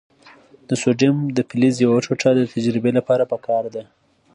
د سوډیم د فلز یوه ټوټه د تجربې لپاره پکار ده.